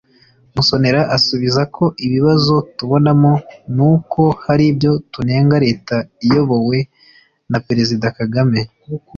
Musonera asubiza ko “ibibazo tubonamo ni uko hari ibyo tunenga leta iyobowe na perezida Kagame